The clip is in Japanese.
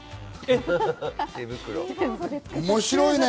面白いね。